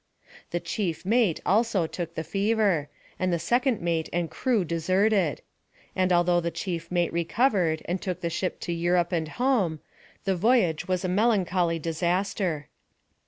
The chief mate, also, took the fever, and the second mate and crew deserted; and although the chief mate recovered and took the ship to Europe and home, the voyage was a melancholy disaster.